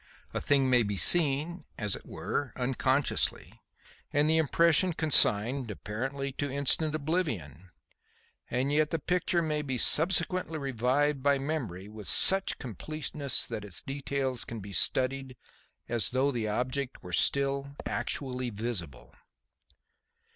A thing may be seen, as it were, unconsciously, and the impression consigned, apparently, to instant oblivion; and yet the picture may be subsequently revived by memory with such completeness that its details can be studied as though the object were still actually visible.